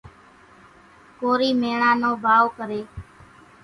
ڪورِي ميڻا نو ڀائو ڪريَ۔